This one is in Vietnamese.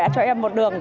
cô rất là mừng